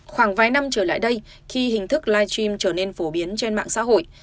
khoảng vài năm trở lại đây khi hình thức live stream trở nên phổ biến trên mạng xã hội